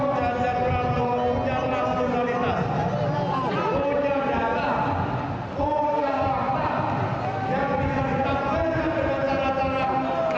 pertama ganjar pranowo punya rasionalitas punya dana punya fakta